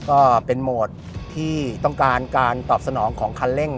ก็เป็นโหมดที่ต้องการการตอบสนองของคันเร่ง